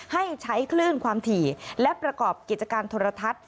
ให้ใช้คลื่นความถี่และประกอบกิจการโทรทัศน์